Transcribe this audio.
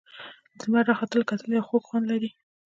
د لمر راختو ته کتل یو خوږ خوند لري.